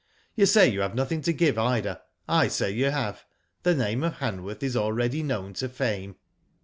You say you have nothing to give Ida. I say you have. The name of Han worth is already known to fame.